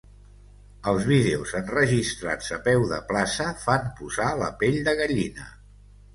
Els vídeos enregistrats a peu de plaça fan posar la pell de gallina.